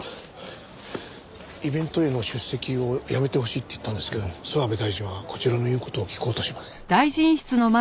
イベントへの出席をやめてほしいって言ったんですけど諏訪部大臣はこちらの言う事を聞こうとしません。